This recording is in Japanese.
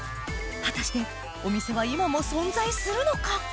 果たしてお店は今も存在するのか？